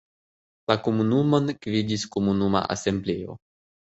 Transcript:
La komunumon gvidis komunuma asembleo.